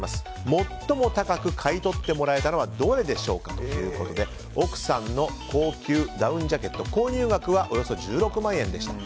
最も高く買い取ってもらえたのはどれでしょうかということで奥さんの高級ダウンジャケット購入額はおよそ１６万円でした。